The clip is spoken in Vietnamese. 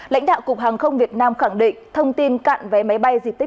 lãnh đạo cục hàng không việt nam khẳng định thông tin cạn vé máy bay dịp tết